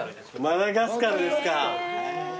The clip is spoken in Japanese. マダガスカルですか。